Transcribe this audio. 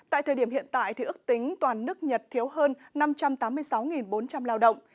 tại thời điểm hiện tại ước tính toàn nước nhật thiếu hơn năm trăm tám mươi sáu bốn trăm linh lao động